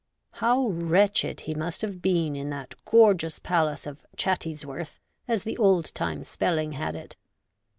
How wretched he must have been in that gorgeous palace of ' Chattysworth,' as the old time spelling had it